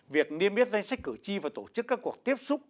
việc niêm yết danh sách cử tri và tổ chức các cuộc tiếp xúc